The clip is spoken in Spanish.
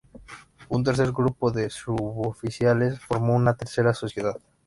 Un tercer grupo de suboficiales formó una tercera sociedad.